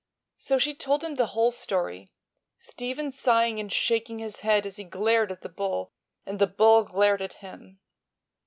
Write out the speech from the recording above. So she told him the whole story, Stephen sighing and shaking his head as he glared at the bull and the bull glared at him.